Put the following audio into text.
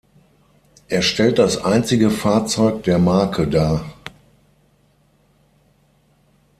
Er stellt das einzige Fahrzeug der Marke dar.